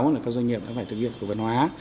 là các doanh nghiệp đã phải thực hiện cổ phần hóa